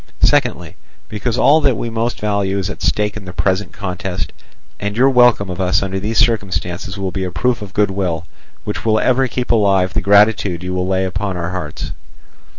Secondly, because all that we most value is at stake in the present contest, and your welcome of us under these circumstances will be a proof of goodwill which will ever keep alive the gratitude you will lay up in our hearts.